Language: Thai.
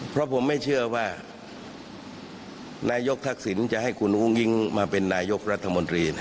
เพราะผมไม่เชื่อว่านายกทักษิณจะให้คุณอุ้งอิ๊งมาเป็นนายกรัฐมนตรี